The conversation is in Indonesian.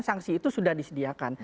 sanksi itu sudah disediakan